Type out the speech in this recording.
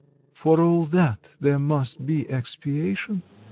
For all that there must be expiation.